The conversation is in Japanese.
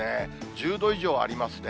１０度以上ありますね。